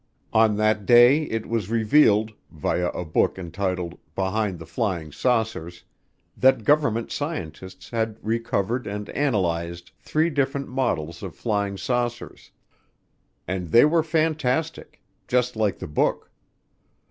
On that day it was revealed, via a book entitled Behind the Flying Saucers, that government scientists had recovered and analyzed three different models of flying saucers. And they were fantastic just like the book.